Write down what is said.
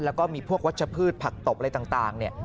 แล้วก็มีพวกวัชพืชผักตบอะไรต่างเนี่ย